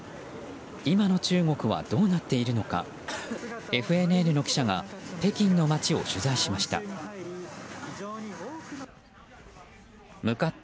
今の中国はどうなっているのかＦＮＮの記者が北京の街を取材しました。